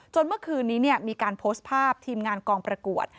เมื่อคืนนี้มีการโพสต์ภาพทีมงานกองประกวด